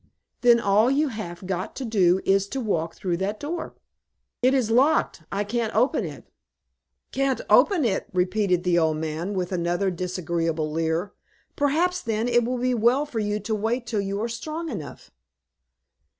"Then all you have got to do is to walk through that door. "It is locked; I can't open it." "Can't open it!" repeated the old man, with another disagreeable leer; "perhaps, then, it will be well for you to wait till you are strong enough."